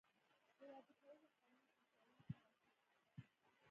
د واده کولو قانون شل کلنۍ ته راټیټ شو.